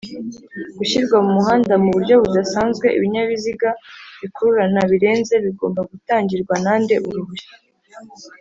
gushyirwa mumuhanda muburyo budasanzwe Ibinyabiziga bikururana birenze bigomba gutangirwa nande Uruhushya